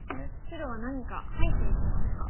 白は何か入っていきますか。